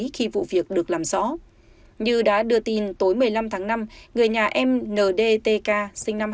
khi vụ việc được làm rõ như đã đưa tin tối một mươi năm tháng năm người nhà mndtk sinh năm hai nghìn tám